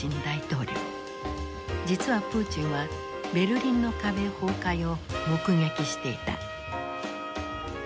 実はプーチンはベルリンの壁崩壊を目撃していた。